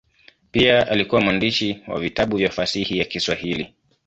Pia alikuwa mwandishi wa vitabu vya fasihi ya Kiswahili.